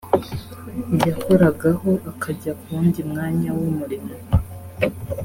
yakoragaho akajya ku wundi mwanya w umurimo